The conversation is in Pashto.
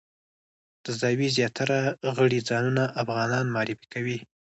د زاویې زیاتره غړي ځانونه افغانان معرفي کوي.